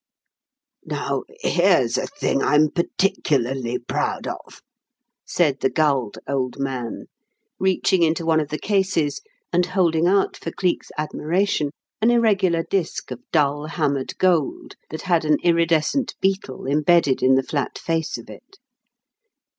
"Now, here's a thing I am particularly proud of," said the gulled old man, reaching into one of the cases and holding out for Cleek's admiration an irregular disc of dull, hammered gold that had an iridescent beetle embedded in the flat face of it.